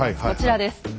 こちらです。